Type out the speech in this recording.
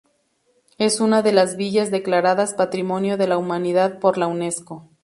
Es una de las villas declaradas Patrimonio de la Humanidad por la Unesco.